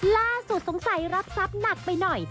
ล่าสุดสงสัยรับทรัพย์หนักไปหน่อย